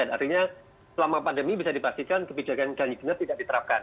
artinya selama pandemi bisa dipastikan kebijakan ganjil genap tidak diterapkan